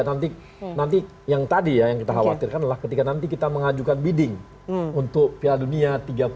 nanti yang tadi ya yang kita khawatirkan adalah ketika nanti kita mengajukan bidding untuk piala dunia tiga puluh